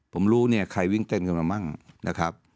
ผมรู้เนี่ยใครวิ่งเต้นกันมามั่งนะครับ